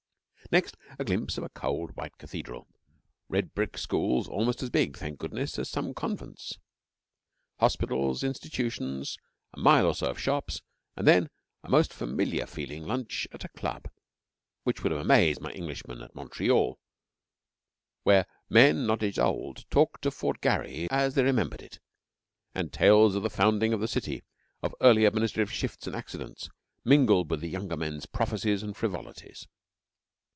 Next a glimpse of a cold, white cathedral, red brick schools almost as big (thank goodness!) as some convents; hospitals, institutions, a mile or so of shops, and then a most familiar feeling lunch at a Club which would have amazed my Englishman at Montreal, where men, not yet old, talked of Fort Garry as they remembered it, and tales of the founding of the city, of early administrative shifts and accidents, mingled with the younger men's prophecies and frivolities.